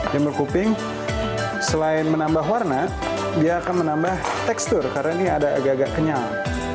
jamur kuping selain menambah warna dia akan menambah tekstur karena ini ada agak agak kenyal